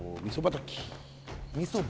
みそばたき？